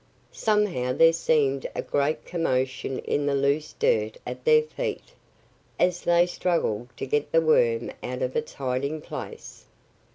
Somehow there seemed a great commotion in the loose dirt at their feet, as they struggled to get the worm out of its hiding place.